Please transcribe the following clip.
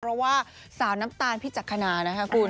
รู้มั้ยว่าสาวน้ำตาลพิจักรณานะครับคุณ